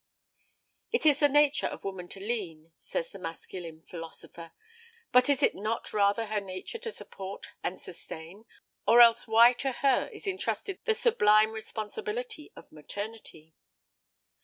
"It is the nature of woman to lean," says the masculine philosopher; but is it not rather her nature to support and sustain, or else why to her is entrusted the sublime responsibility of maternity?